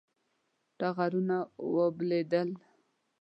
ټغرونه واوبدل